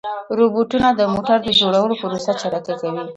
روبوټونه د موټرو د جوړېدو پروسه چټکه کوي.